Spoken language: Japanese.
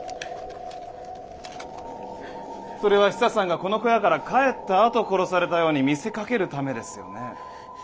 それはヒサさんがこの小屋から帰ったあと殺されたように見せかけるためですよね。